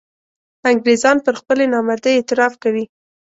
انګرېزان پر خپلې نامردۍ اعتراف کوي.